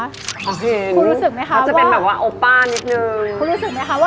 เขาเห็นมันจะเป็นแบบว่าโอป้านิดนึงคุณรู้สึกไหมคะว่า